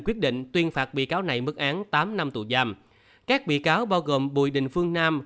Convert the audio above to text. quyết định tuyên phạt bị cáo này mức án tám năm tù giam các bị cáo bao gồm bùi đình phương nam